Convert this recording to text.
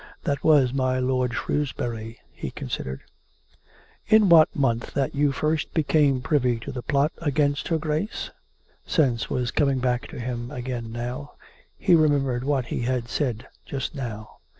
... That was my lord Shrewsbury, he considered. ,.."... in what month that you first became privy to the plot against her Grace .f* " (Sense was coming back to him again now. He remem bered what he had said just now.)